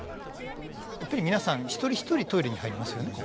やっぱり皆さん一人一人トイレに入りますよね。